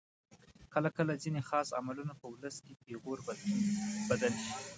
کله کله ځینې خاص عملونه په ولس کې پیغور بدل شي.